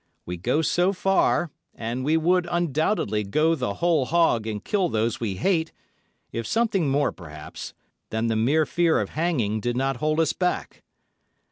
We go so far, and we would undoubtedly go the whole hog and kill those we hate, if something more, perhaps, than the mere fear of hanging did not hold us back.